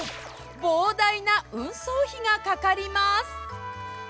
膨大な運送費がかかります。